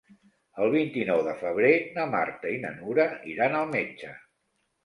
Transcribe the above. El vint-i-nou de febrer na Marta i na Nura iran al metge.